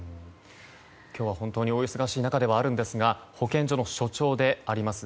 今日は本当にお忙しい中ではあるんですが保健所の所長であります